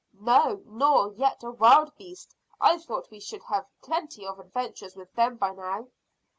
"No, nor yet a wild beast. I thought we should have had plenty of adventures with them by now."